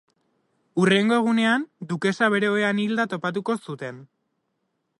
Hurrengo egunean, dukesa bere ohean hilda topatuko zuten.